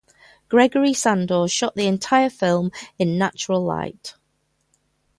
Gregory Sandor shot the entire film in natural light.